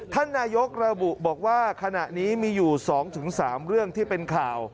ท่านนายกระบุบอกว่าขณะนี้มีอยู่๒๓เรื่องที่เป็นข่าว